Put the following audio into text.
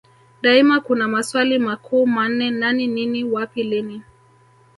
Daima kuna maswali makuu manne Nani nini wapi lini